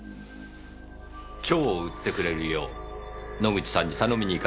蝶を売ってくれるよう野口さんに頼みに行かれたことは？